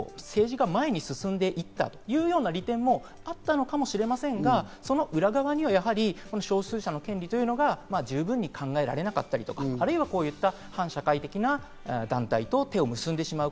これによってある種、政治が前に進んでいったというような利点もあったのかもしれませんが、その裏側にはやはり少数者の権利というのが十分に考えられなかったり、あるいは、こういった反社会的な団体と手を結んでしまう。